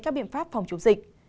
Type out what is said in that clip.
các biện pháp phòng chủ dịch